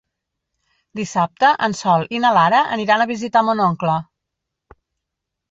Dissabte en Sol i na Lara aniran a visitar mon oncle.